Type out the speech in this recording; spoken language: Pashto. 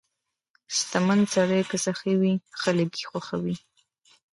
• شتمن سړی که سخي وي، خلک یې خوښوي.